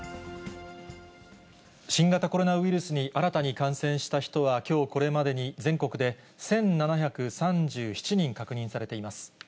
新型コロナウイルスに新たに感染した人は、きょうこれまでに全国で１７３７人確認されています。